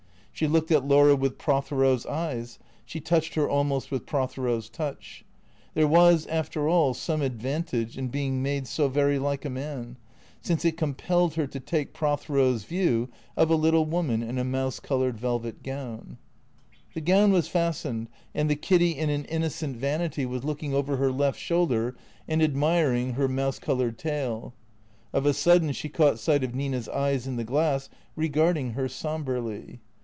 She looked at Laura with Prothero's eyes, she touched her almost with Prothero's touch. There was, after all, some advantage in being made so very like a man, since it compelled her to take Pro thero's view of a little woman in a mouse coloured velvet gown. The gown was fastened, and the Kiddy in an innocent vanity "All," she iriuil, "try not to halo me. '" THECEEATOES 387 was looking over her left shoulder and admiring her mouse coloured tail. Of a sudden she caught sight of Nina's eyes in the glass regarding her sombrely.